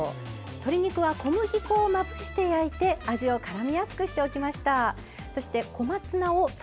鶏肉は小麦をまぶして焼いて味をからめやすくしました。